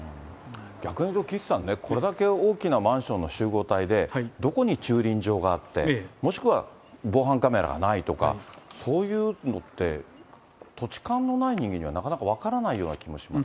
逆に岸さんね、これだけ大きなマンションの集合体で、どこに駐輪場があって、もしくは防犯カメラがないとか、そういうのって、土地勘のない人間にはなかなか分からないような気もしますが。